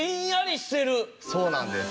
そうなんです。